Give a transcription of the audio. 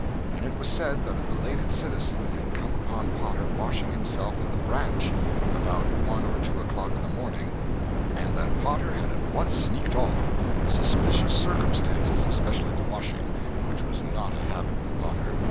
And it was said that a belated citizen had come upon Potter washing himself in the "branch" about one or two o'clock in the morning, and that Potter had at once sneaked off—suspicious circumstances, especially the washing which was not a habit with Potter.